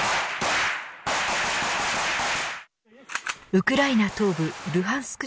ウクライナ東部ルハンスク